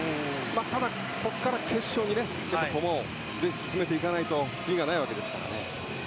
ただ、ここから決勝に駒を進めていかないと次がないわけですからね。